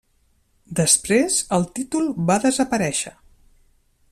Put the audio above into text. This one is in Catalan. Després el títol va desaparèixer.